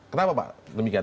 kenapa pak demikian